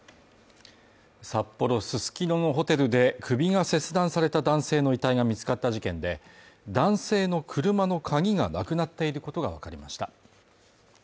札幌ススキノのホテルで首が切断された男性の遺体が見つかった事件で男性の車の鍵がなくなっていることがわかりました。